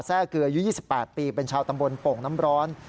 แทรกเกลยุทธ์๒๘ปีเป็นชาวตำบลโป่งน้ำร้อน